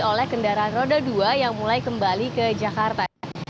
oleh kendaraan roda dua yang mulai kembali ke jakarta